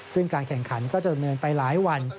ซึ่งการแข่งขันก็จะดำเนินไปหลายวัน